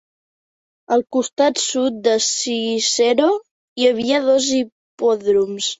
Al costat sud de Cicero hi havia dos hipòdroms.